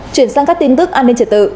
chuyển sang các tin tức an ninh trẻ tự